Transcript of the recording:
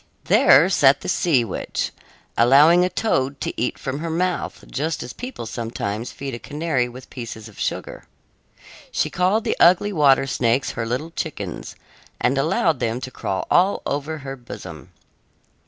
There sat the sea witch, allowing a toad to eat from her mouth just as people sometimes feed a canary with pieces of sugar. She called the ugly water snakes her little chickens and allowed them to crawl all over her bosom.